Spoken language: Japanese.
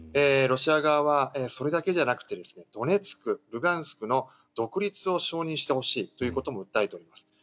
ロシア側はそれだけじゃなくてドネツク、ルガンスクの独立を承認してほしいということも訴えています。